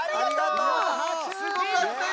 すごかったよ。